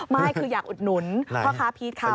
ไม่คืออยากอุดหนุนพ่อค้าพีชเขา